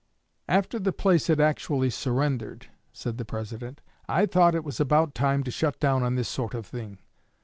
"After the place had actually surrendered," said the President, "I thought it was about time to shut down on this sort of thing.